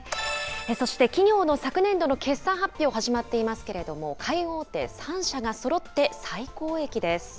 そして企業の昨年度の決算発表、始まっていますけれども、海運大手３社が最高益です。